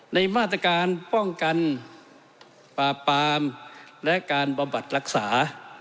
ในมาตรการป้องกันปราบปามและการบำบัดรักษา